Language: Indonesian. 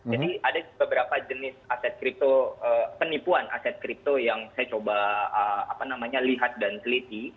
jadi ada beberapa jenis aset kripto penipuan aset kripto yang saya coba lihat dan seliti